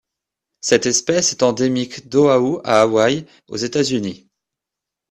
Cette espèce est endémique d'Oahu à Hawaï aux États-Unis.